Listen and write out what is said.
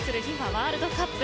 ワールドカップ。